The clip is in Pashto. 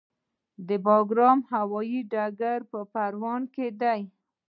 د بګرام هوايي ډګر په پروان کې دی